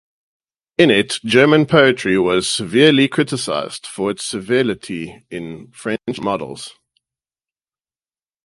In it, German poetry was severely criticised for its servility to French models.